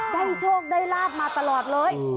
ได้โจทย์ได้ราบมาตลอดเลย